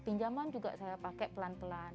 pinjaman juga saya pakai pelan pelan